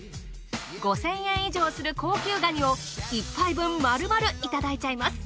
５，０００円以上する高級ガニを１杯分丸々いただいちゃいます。